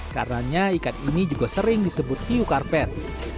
karena ikan ini juga sering disebut hiu karpet